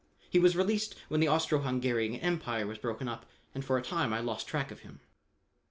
He was released when the Austro Hungarian Empire was broken up, and for a time I lost track of him.